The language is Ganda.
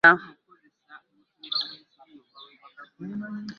Ebibala bino bitereke bulungi ddala.